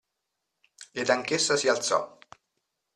Ed anch'essa si alzò.